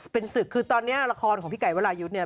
เป็นศึกคือตอนนี้ละครของพี่ไก่วรายุทธ์เนี่ย